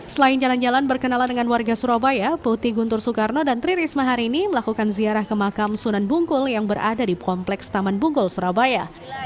selain jalan jalan berkenalan dengan warga surabaya putih guntur soekarno dan tri risma hari ini melakukan ziarah ke makam sunan bungkul yang berada di kompleks taman bungkul surabaya